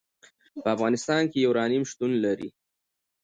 په افغانستان کې یورانیم شتون لري.